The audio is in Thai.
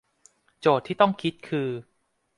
โจทย์ที่ต้องคิดคือ